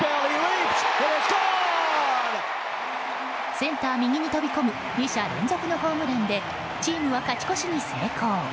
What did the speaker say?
センター右に飛び込む２者連続のホームランでチームは勝ち越しに成功。